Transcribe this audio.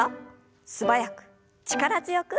素早く力強く。